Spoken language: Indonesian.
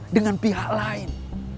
dengan pihak lain